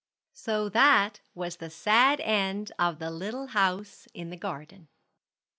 So that was the sad end of the little house in the garden.